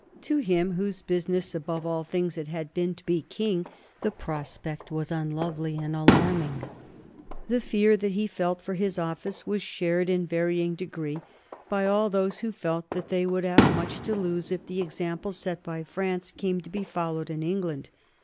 To him, whose business above all things it had been to be king, the prospect was unlovely and alarming. The fear that he felt for his office was shared in varying degree by all those who felt that they would have much to lose if the example set by France came to be followed in England.